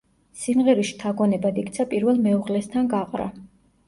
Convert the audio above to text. სიმღერის შთაგონებად იქცა პირველ მეუღლესთან გაყრა.